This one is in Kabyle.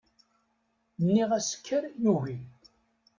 Nniɣ-as kker yugi.